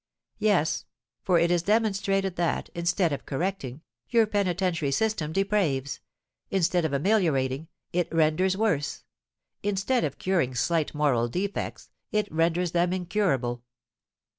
Yes, for it is demonstrated that, instead of correcting, your penitentiary system depraves; instead of ameliorating, it renders worse; instead of curing slight moral defects, it renders them incurable.